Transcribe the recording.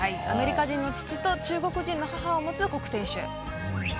アメリカ人の父と中国人の母を持つ谷選手。